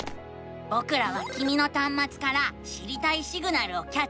ぼくらはきみのたんまつから知りたいシグナルをキャッチしたのさ！